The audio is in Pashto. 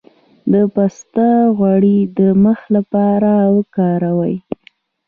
د پسته غوړي د مخ لپاره وکاروئ